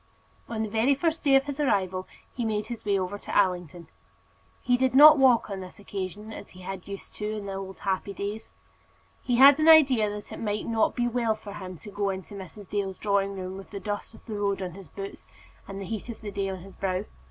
On the very first day of his arrival he made his way over to Allington. He did not walk on this occasion as he had used to do in the old happy days. He had an idea that it might not be well for him to go into Mrs. Dale's drawing room with the dust of the road on his boots, and the heat of the day on his brow.